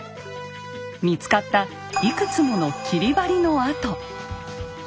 見つかったいくつもの切り貼りの跡。